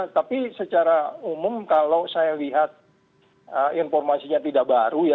tapi secara umum kalau saya lihat informasinya tidak baru ya